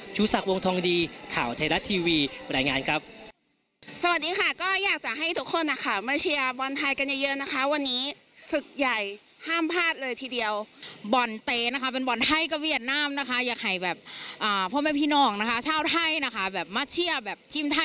ชูศักดิ์วงทองดีข่าวไทยรัฐทีวีบรรยายงานครับ